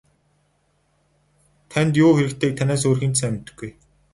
Танд юу хэрэгтэйг танаас өөр хэн ч сайн мэдэхгүй.